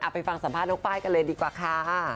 ไปฟังสัมภาษณ์น้องป้ายกันเลยดีกว่าค่ะ